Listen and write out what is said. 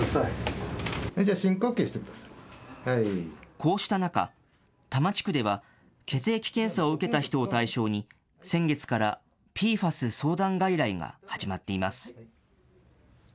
こうした中、多摩地区では血液検査を受けた人を対象に、先月からＰＦＡＳ相談外来が始まっています。